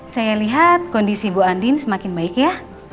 saya lihat kondisi bu andi ini semakin baik ya